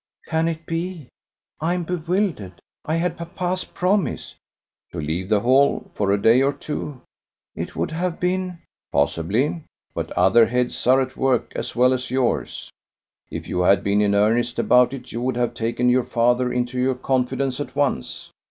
"Can it be? I am bewildered. I had papa's promise." "To leave the Hall for a day or two." "It would have been ..." "Possibly. But other heads are at work as well as yours. If you had been in earnest about it you would have taken your father into your confidence at once.